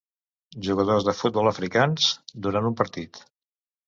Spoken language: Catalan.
Jugadors de futbol africans durant un partit.